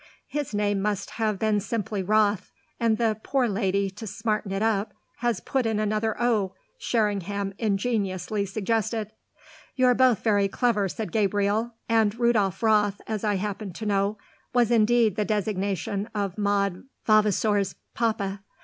"His name must have been simply Roth, and the poor lady, to smarten it up, has put in another o," Sherringham ingeniously suggested. "You're both very clever," said Gabriel, "and Rudolf Roth, as I happen to know, was indeed the designation of Maud Vavasour's papa.